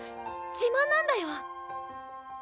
自慢なんだよ。